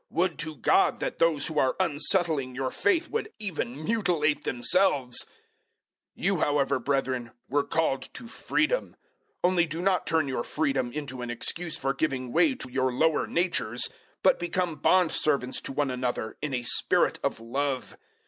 005:012 Would to God that those who are unsettling your faith would even mutilate themselves. 005:013 You however, brethren, were called to freedom. Only do not turn your freedom into an excuse for giving way to your lower natures; but become bondservants to one another in a spirit of love.